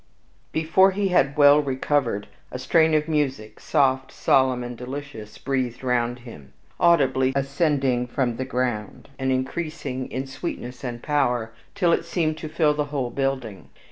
........ Before he had well recovered, a strain of music, soft, solemn, and delicious, breathed round him, audibly ascending from the ground, and increasing in sweetness and power till it seemed to fill the whole building.